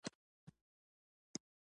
رېښتیا؟!